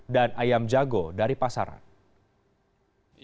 dan ayam jago dari pasaran